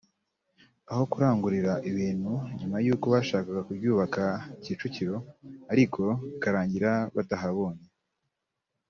aho kurangurira ibintu nyuma y’uko bashakaga kuryubaka Kicukiro ariko bikarangira batahabonye